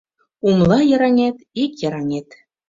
Умла йыраҥет, ик йыраҥет